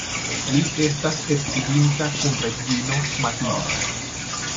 Li estas edziĝinta kun reĝino Matilda.